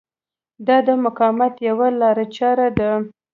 دا د مقاومت یوه لارچاره ده.